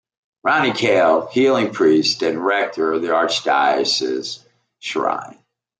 Ronnie Cao, Healing Priest and Rector of the Archdiocesan Shrine.